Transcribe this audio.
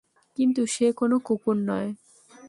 কিন্তু সে কোন কুকুর নয়।